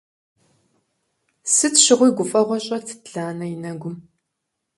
Сыт щыгъуи гуфӀэгъуэ щӀэтт Ланэ и нэгум.